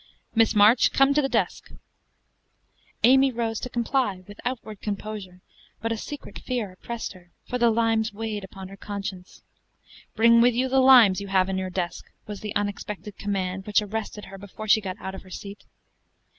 "Miss March, come to the desk." Amy rose to comply with outward composure; but a secret fear oppressed her, for the limes weighed upon her conscience. "Bring with you the limes you have in your desk," was the unexpected command which arrested her before she got out of her seat.